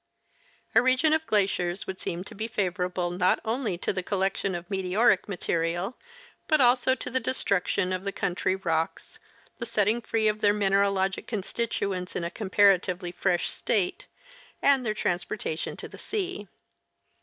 A region of glaciers would seem to be favorable not only to the collec tion of meteoric material, but also to the destruction of the country rocks, the setting free of their mineralo'gic constituents in a comparatively fresh state, and their transportation to the sea.